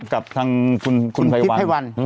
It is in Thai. กับทางคุณพัยวัล